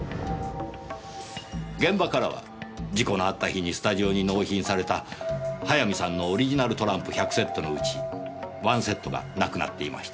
現場からは事故のあった日にスタジオに納品された早見さんのオリジナルトランプ１００セットのうち１セットがなくなっていました。